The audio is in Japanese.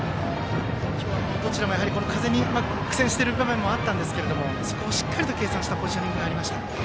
どちらも、風に苦戦している場面もありましたがそこをしっかりと計算したポジショニングになりました。